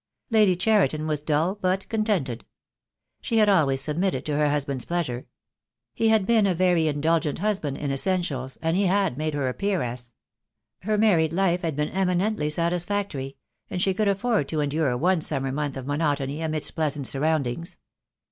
Lady Cheriton was dull, but contented. She had always submitted to her hus band's pleasure. He had been a very indulgent husband in essentials, and he had made her a peeress. Her mar ried life had been eminently satisfactory; and she could afford to endure one summer month of monotony amidst pleasant surroundings.